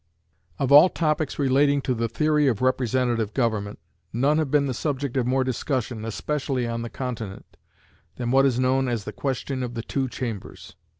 Of all topics relating to the theory of representative government, none have been the subject of more discussion, especially on the Continent, than what is known as the question of the Two Chambers.